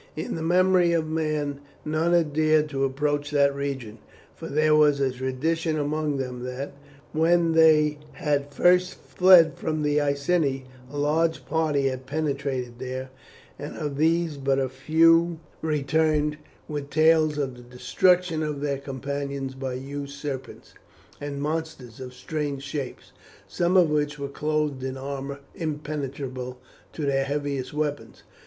In the memory of man none had dared to approach that region, for there was a tradition among them that, when they had first fled from the Iceni, a large party had penetrated there, and of these but a few returned, with tales of the destruction of their companions by huge serpents, and monsters of strange shapes, some of which were clothed in armour impenetrable to their heaviest weapons.